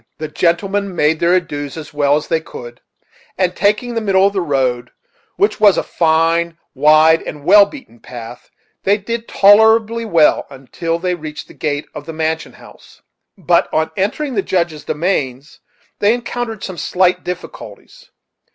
The gentlemen made their adieus as well as they could, and taking the middle of the road, which was a fine, wide, and well beaten path, they did tolerably well until they reached the gate of the mansion house: but on entering the Judge's domains they encountered some slight difficulties.